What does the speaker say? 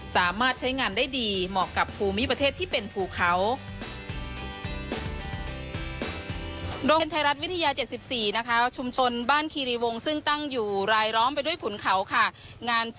สามารถใช้งานได้ดีเหมาะกับภูมิประเทศที่เป็นภูเขา